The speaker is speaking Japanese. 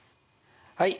はい！